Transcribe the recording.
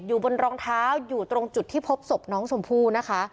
อยู่บนรองเท้าอยู่ตรงจุดที่พบศพน้องชมพู่นะคะ